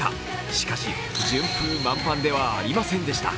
しかし、順風満帆ではありませんでした。